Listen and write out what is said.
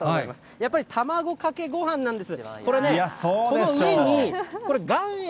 やっぱりたまごかけごはんなんです。